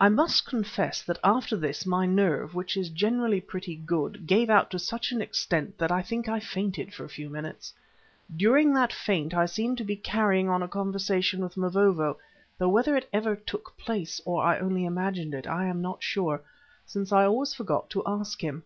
I must confess that after this my nerve, which is generally pretty good, gave out to such an extent that I think I fainted for a few minutes. During that faint I seemed to be carrying on a conversation with Mavovo, though whether it ever took place or I only imagined it I am not sure, since I always forgot to ask him.